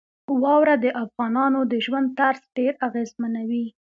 واوره د افغانانو د ژوند طرز ډېر اغېزمنوي.